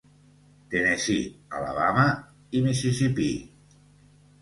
Tennessee, Alabama i Mississipí.